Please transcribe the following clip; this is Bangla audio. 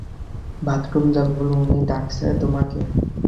বাথরুমে যাবে বলে উনি ডাকছে তোমাকে।